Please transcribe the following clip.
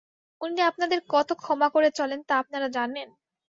উনি আপনাদের কত ক্ষমা করে চলেন তা আপনারা জানেন?